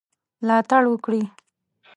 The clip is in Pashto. ملاتړ وکړي.